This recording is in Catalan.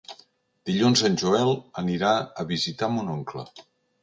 Dilluns en Joel anirà a visitar mon oncle.